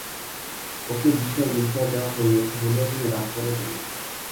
ওকে বিষয় লিখিয়া দেওয়া হইয়াছে বলিয়া তুমি রাগ কর কেন!